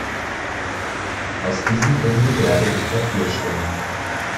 Aus diesem Grunde werde ich dafür stimmen.